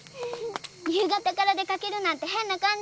夕方から出かけるなんて変な感じ。